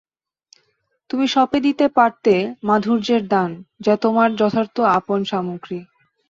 তুমি সঁপে দিতে পারতে মাধুর্যের দান, যা তোমার যথার্থ আপন সামগ্রী।